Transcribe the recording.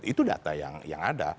itu data yang ada